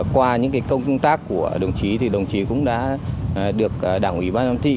qua những công công tác của đồng chí thì đồng chí cũng đã được đảng ủy ban giám thị